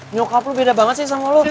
nyokap lo beda banget sih sama lo